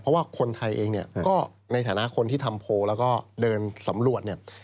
เพราะว่าคนไทยเองเนี่ยก็ในฐานะคนที่ทำโพลแล้วก็เดินสำรวจเนี่ย